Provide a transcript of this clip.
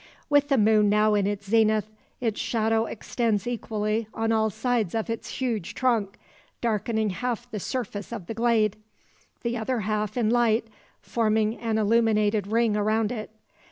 With the moon now in the zenith, its shadow extends equally on all sides of its huge trunk, darkening half the surface of the glade the other half in light, forming an illuminated ring around it.